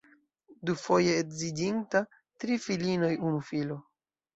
Dufoje edziĝinta, tri filinoj, unu filo.